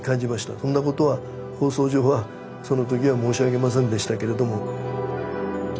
そんなことは放送上はそのときは申し上げませんでしたけれども。